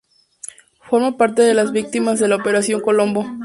Forma parte de las víctimas de la Operación Colombo.